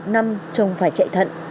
một mươi một năm trông phải chạy thận